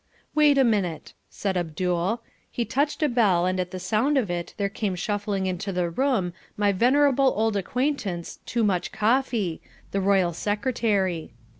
"Wait a minute," said Abdul. He touched a bell and at the sound of it there came shuffling into the room my venerable old acquaintance Toomuch Koffi, the Royal Secretary.